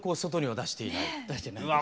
出してないです。